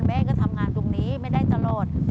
แม่ก็ทำงานตรงนี้ไม่ได้ตลอด